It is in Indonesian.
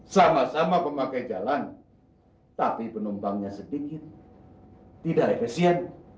sama sama pemakai jalan tapi penumpangnya sedikit tidak efisien